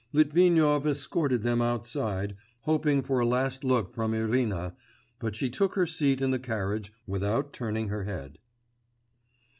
Litvinov escorted them outside, hoping for a last look from Irina, but she took her seat in the carriage without turning her head.